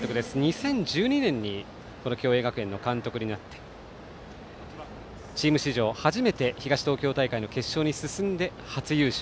２０１２年に共栄学園の監督になってチーム史上初めて東東京大会の決勝に進んで初優勝。